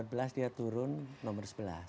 tahun dua ribu empat belas dia turun nomor sebelas